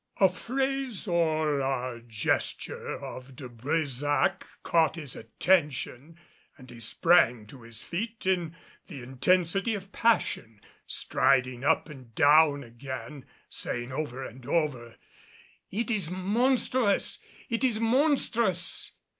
A phrase or a gesture of De Brésac caught his attention, and he sprang to his feet in the intensity of passion, striding up and down again, saying over and over, "It is monstrous! It is monstrous!"